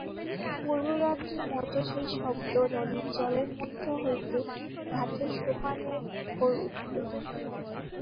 পূর্বরাত্রির মতো সেই শব্দ নদীর জলের মধ্য হইতে ঘাটের সোপানের উপর উঠিল।